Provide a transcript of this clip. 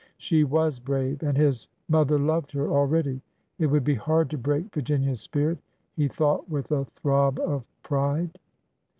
She was brave! and his mo ther loved her already. It would be hard to break Vir ginia's spirit, he thought with a throb of pride.